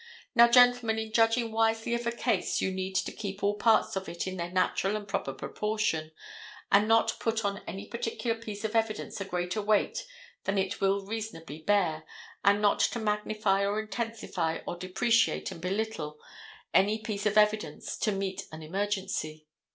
Now, gentlemen, in judging wisely of a case you need to keep all parts of it in their natural and proper proportion, and not put on any particular piece of evidence a greater weight than it will reasonably bear, and not to magnify or intensify or depreciate and belittle any piece of evidence to meet an emergency.